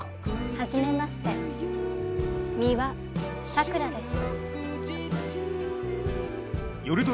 はじめまして美羽さくらです。